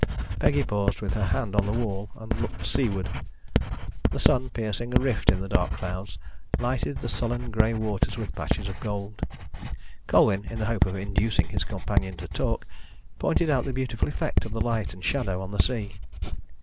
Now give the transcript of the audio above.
Peggy paused with her hand on the wall, and looked seaward. The sun, piercing a rift in the dark clouds, lighted the sullen grey waters with patches of gold. Colwyn, in the hope of inducing his companion to talk, pointed out the beautiful effect of the light and shadow on the sea.